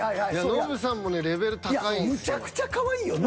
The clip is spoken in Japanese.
ノブさんもねレベル高いんすよ。